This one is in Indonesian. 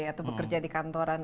atau bekerja di kantoran